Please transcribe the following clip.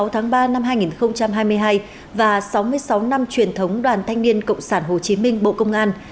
hai mươi tháng ba năm hai nghìn hai mươi hai và sáu mươi sáu năm truyền thống đoàn thanh niên cộng sản hồ chí minh bộ công an